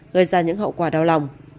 gây ra những hậu quả đau lòng